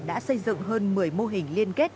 đã xây dựng hơn một mươi mô hình liên kết